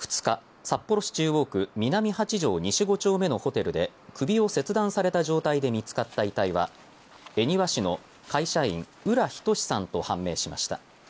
２日札幌市中央区南八条西５丁目のホテルで首を切断された状態で見つかった遺体は恵庭市の会社員浦仁志さんと判明しました。